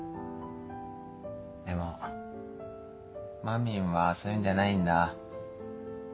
でもまみんはそういうんじゃないんだ。